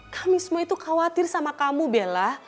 kami semua itu khawatir sama kamu bella